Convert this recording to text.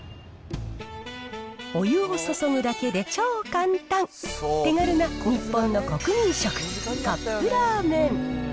お湯を注ぐだけで超簡単、手軽な日本の国民食、カップラーメン。